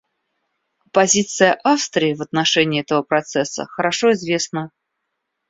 Позиция Австрии в отношении этого процесса хорошо известна.